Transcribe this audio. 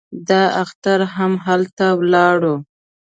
دا اختر هم هلته ولاړو.